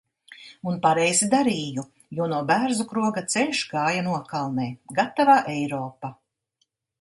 Un pareizi darīju, jo no Bērzukroga ceļš gāja nokalnē. Gatavā Eiropa!